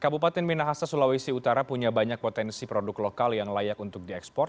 kabupaten minahasa sulawesi utara punya banyak potensi produk lokal yang layak untuk diekspor